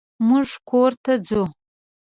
مونږ کور ته ځو.